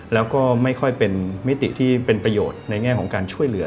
แล้วก็ไม่ค่อยเป็นมิติที่เป็นประโยชน์ในแง่ของการช่วยเหลือ